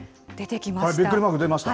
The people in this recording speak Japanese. ビックリマーク、出ました。